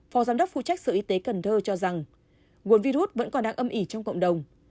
phó giám đốc phụ trách sự y tế cần thơ cho rằng nguồn virus vẫn còn đang âm ỉ trong cộng đồng